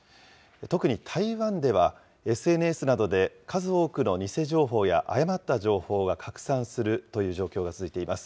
特に台湾では、ＳＮＳなどで数多くの偽情報や誤った情報が拡散するという状況が続いています。